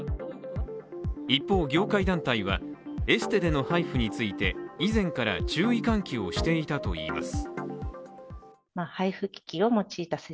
一方、業界団体は、エステでのＨＩＦＵについて以前から注意喚起をしていたといいます。